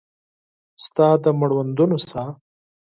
ستا د مړوندونو ساه